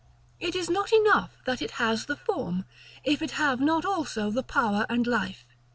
It is not enough that it has the Form, if it have not also the power and life.